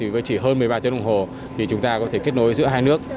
với chỉ hơn một mươi ba tiếng đồng hồ thì chúng ta có thể kết nối giữa hai nước